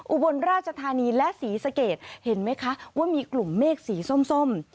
อุบลราชธานีและศรีสะเกดเห็นไหมคะว่ามีกลุ่มเมฆสีส้ม